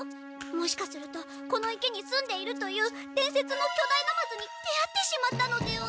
もしかするとこの池に住んでいるというでんせつのきょだいナマズに出会ってしまったのでは？